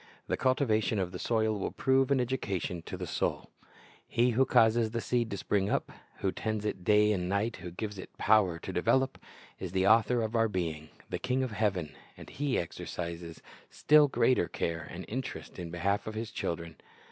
The cultivation of the soil will prove an education to the soul. Other Lessons from Seed Solving 89 He who causes the seed to spring up, who tends it day and night, who gives it power to develop, is the Author of our being, the King of heaven, and He exercises still greater care and interest in behalf of His children.